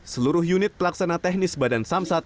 seluruh unit pelaksana teknis badan samsat